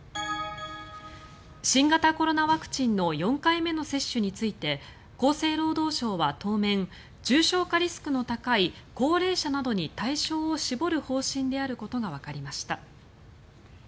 新型コロナワクチンの４回目の接種について厚生労働省は当面重症化リスクの高い高齢者などに対象を絞る方針であることがわかりました。